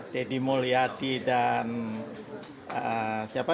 dedy mulyadi dan siapa